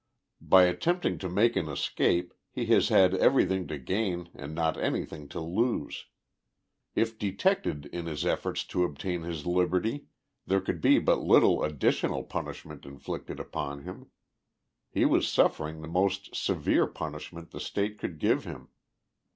By attempting to make an escape he has had everything to gain and not anything to lose. If detected in his efforts to obtain his liberty there could be but little additional punishment in flicted upon him. He was suffering the most severe punishment the State could give him.